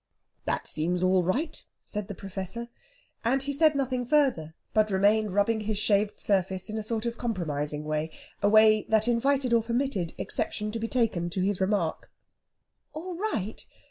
"That seems all right," said the Professor. And he said nothing further, but remained rubbing his shaved surface in a sort of compromising way a way that invited or permitted exception to be taken to his remark. "All right?